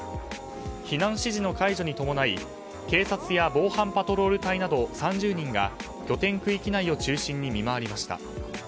避難指示の解除に伴い警察や防犯パトロール隊など３０人が拠点区域内を中心に見回りました。